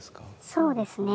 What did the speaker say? そうですね。